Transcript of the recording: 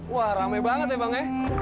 wah rame banget ya bang ya